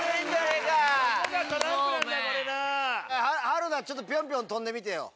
春菜ちょっとピョンピョン跳んでみてよ。